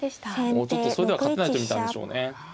もうちょっとそれでは勝てないと見たんでしょうね。